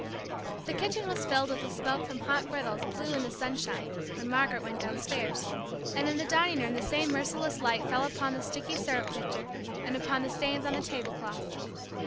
The kitchen was filled with the smoke from hot griddles blue in the sunshine, when Margaret went downstairs; and in the dining room the same merciless light fell upon the sticky syrup pitcher, and upon the stains on the tablecloth.